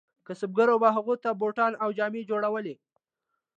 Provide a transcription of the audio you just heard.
کسبګرو به هغو ته بوټونه او جامې جوړولې.